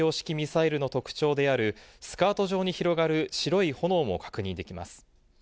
写真では固体燃料式ミサイルの特徴であるスカート状に広がる白い炎も確認できます。